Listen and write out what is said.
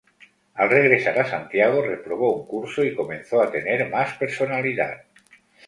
Al regresar a Santiago, reprobó un curso y comenzó a tener más personalidad.